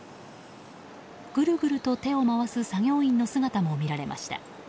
ぐるぐると手を回す作業員の姿も見られました。